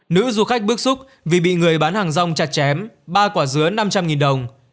nữ du khách bức xúc vì bị người bán hàng rong chặt chém ba quả dứa năm trăm linh đồng